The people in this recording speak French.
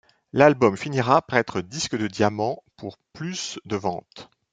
L'album finira par être disque de diamant pour plus de ventes.